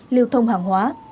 lưu thông hàng hóa